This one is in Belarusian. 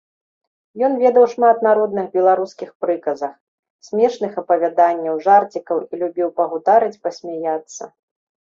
Ён ведаў шмат народных беларускіх прыказак, смешных апавяданняў, жарцікаў і любіў пагутарыць, пасмяяцца.